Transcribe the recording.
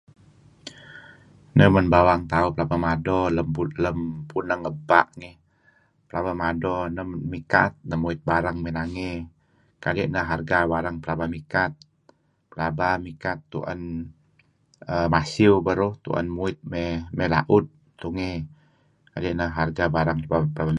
Neh man bawang tauh pelaba mado lem puneng ebpa' ngih pelaba mado mikat neh muit barang may ngi nangey kadi' neh harga barang pelaba mikat pelaba mikat tuen masiew beruh tuen muit may laud tungey kadi' neh harga barang pab pab.